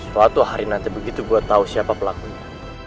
suatu hari nanti begitu gue tahu siapa pelakunya